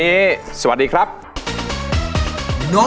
เกิดเสียแฟนไปช่วยไม่ได้นะ